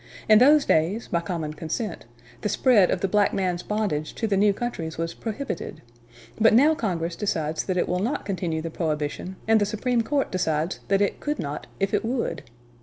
In those days, by common consent, the spread of the black man's bondage to the new countries was prohibited, but now Congress decides that it will not continue the prohibition and the Supreme Court decides that it could not if it would.